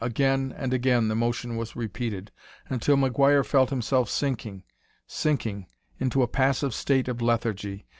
Again and again the motion was repeated, until McGuire felt himself sinking sinking into a passive state of lethargy.